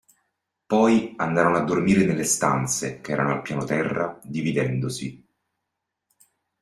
Poi andarono a dormire nelle stanze, che erano al piano terra, dividendosi.